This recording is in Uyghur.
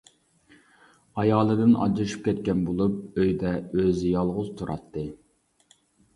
ئايالىدىن ئاجرىشىپ كەتكەن بولۇپ، ئۆيدە ئۆزى يالغۇز تۇراتتى.